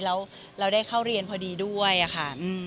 แล้วเราได้เข้าเรียนพอดีด้วยค่ะ